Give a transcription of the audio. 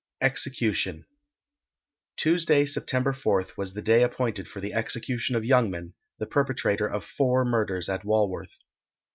EXECUTION. Tuesday, September 4th, was the day appointed for the execution of Youngman, the perpetrator of four murders at Walworth.